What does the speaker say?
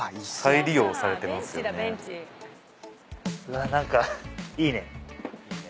うわっ何かいいね。